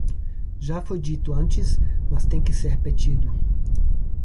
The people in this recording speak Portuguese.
Já foi dito antes, mas tem que ser repetido.